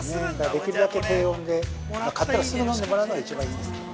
できるだけ低温で買ったらすぐ飲んでもらうのが一番いいですね。